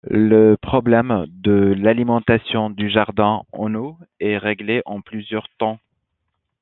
Le problème de l'alimentation du jardin en eau est réglé en plusieurs temps.